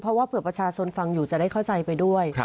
เพราะว่าเผื่อประชาชนฟังอยู่จะได้เข้าใจไปด้วย